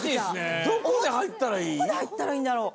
どこで入ったらいいんだろう。